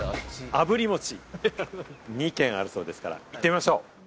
あぶり餅、２軒あるそうですから、行ってみましょう。